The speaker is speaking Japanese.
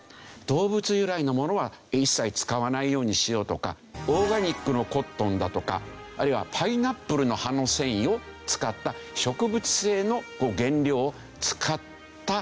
動物由来のものは一切使わないようにしようとかオーガニックのコットンだとかあるいはパイナップルの葉の繊維を使った植物性の原料を使ったファッション。